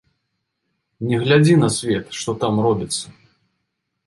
Не глядзі на свет, што там робіцца.